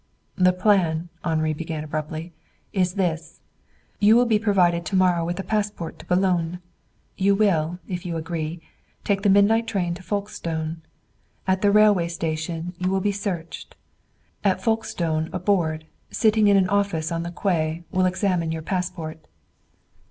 "The plan," Henri began abruptly, "is this: You will be provided to morrow with a passport to Boulogne. You will, if you agree, take the midnight train for Folkestone. At the railway station here you will be searched. At Folkestone a board, sitting in an office on the quay, will examine your passport."